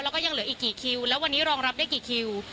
แล้วก็ยังเหลืออีกกี่คิวแล้ววันนี้รองรับได้กี่คิว